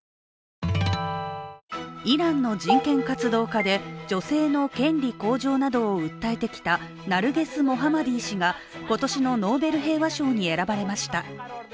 イランの人権活動家で、女性の権利向上などを訴えてきたナルゲス・モハマディ氏が、今年のノーベル平和賞に選ばれました。